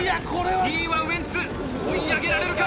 ２位はウエンツ、追い上げられるか？